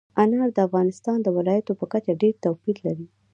انار د افغانستان د ولایاتو په کچه ډېر توپیر لري.